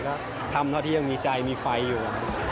ก็ทำเท่าที่ยังมีใจมีไฟอยู่